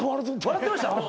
笑ってました？